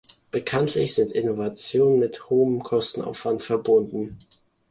Bekanntlich sind Innovationen mit einem hohen Kostenaufwand verbunden.